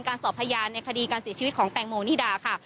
สอบพยานในคดีการเสียชีวิตของแตงโมนิดาค่ะ